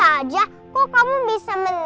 baguslah juga suratnya aku kok kamu bisa menang ya